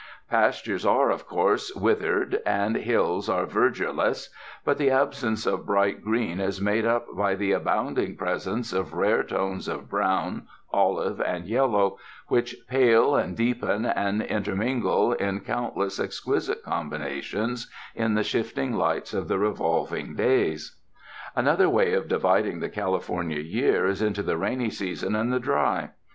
Pas tures are, of course, withered, and liills are verdure less, but the absence of bright green is made up by the abounding presence of rare tones of brown, olive, and yellow, which pale and deepen and intermingle in countless exquisite combinations, in the shifting lights of the revolving days. Another way of dividing the California year is into the rainy season and the dry.